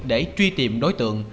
để truy tìm đối tượng